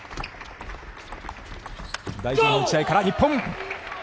台上の打ち合いから、日本！